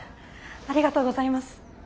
ありがとうございます。